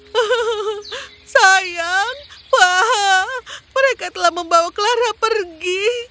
hahaha sayang paha mereka telah membawa clara pergi